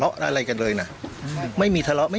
ตำรวจอีกหลายคนก็หนีออกจุดเกิดเหตุทันที